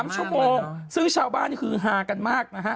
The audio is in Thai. ๓ชั่วโมงซึ่งชาวบ้านฮือฮากันมากนะฮะ